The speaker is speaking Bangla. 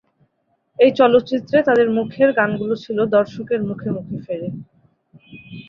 এই চলচ্চিত্রে তাদের মুখের গানগুলো ছিল দর্শকের মুখে মুখে ফেরে।